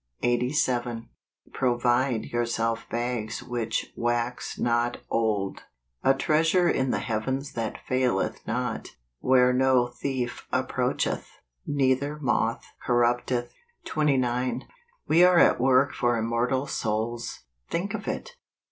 Eighty Seven. " Provide yourself hags which wax not old, a treasure in the heavens that faileth not, where no thief approacheth, neither moth corrupteth ." 60 MAY. 29. We are at work for immortal souls. Think of it!